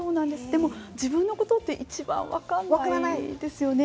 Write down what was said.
でも自分のことっていちばん分からないですね。